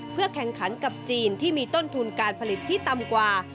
เพื่อแข่งขันกับจีนที่มีต้นทุนการผลิตที่ต่ำกว่า